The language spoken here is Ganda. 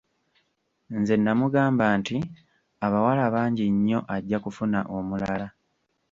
Nze namugamba nti abawala bangi nnyo ajja kufuna omulala.